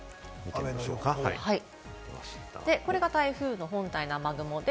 これが台風の本体の雨雲で、